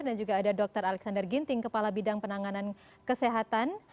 dan juga ada dokter alexander ginting kepala bidang penanganan kesehatan